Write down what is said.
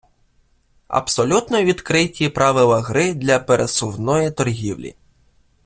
Абсолютно відкриті правила гри для пересувної торгівлі.